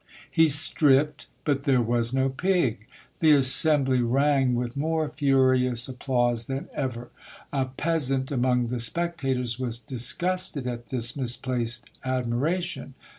He stripped, but there was no pig. The assembly rang with more furious applause than ever. A pea sant, among the spectators, was disgusted at this misplaced admiration.